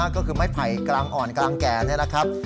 ก็คือไม้ไผ่กลางอ่อนกำลังแก่นี่นะครับ